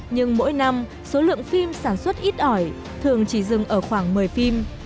nhưng mỗi năm số lượng phim sản xuất ít ỏi thường chỉ dừng ở khoảng một mươi phim